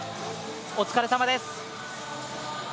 お疲れさまです。